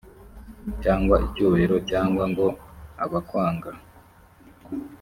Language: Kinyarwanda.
cyangwa icyubahiro cyangwa ngo abakwanga